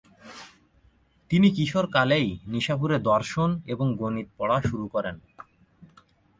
তিনি কিশোরকালেই নিশাপুরে দর্শন এবং গণিত পড়া শুরু করেন।